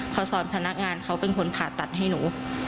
เขาสอนพนักงานเขาเป็นคนผ่าตัดให้หนู